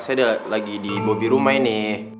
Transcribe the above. saya lagi di bobi rumah ini